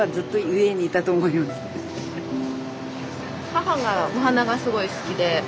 母がお花がすごい好きで。